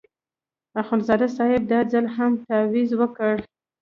اخندزاده صاحب دا ځل هم تاویز ورکړ.